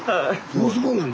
息子なの？